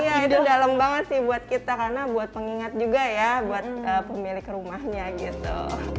iya itu dalem banget sih buat kita karena buat pengingat juga ya buat pemilik rumahnya gitu